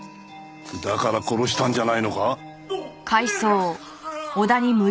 だから殺したんじゃないのか？